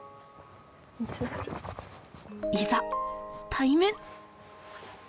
いざ対面！